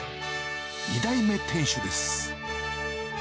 ２代目店主です。